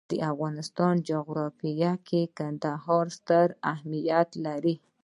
د افغانستان جغرافیه کې کندهار ستر اهمیت لري.